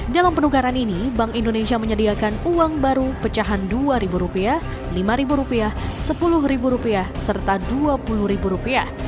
dalam penukaran ini bank indonesia menyediakan uang baru pecahan dua rupiah lima rupiah sepuluh rupiah serta dua puluh rupiah